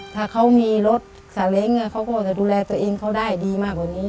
ถ้าเขามีรถสาเล้งเขาก็จะดูแลตัวเองเขาได้ดีมากกว่านี้